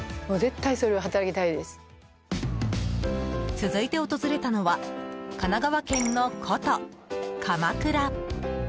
続いて訪れたのは神奈川県の古都・鎌倉。